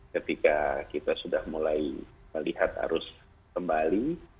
ketika kita sudah mulai melihat arus kembali